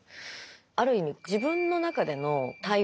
ある意味自分の中での対話